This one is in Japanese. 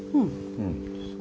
うん。